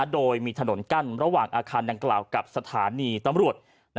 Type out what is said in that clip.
โดยมีถนนกั้นระหว่างอาคารดังกล่าวกับสถานีตำรวจ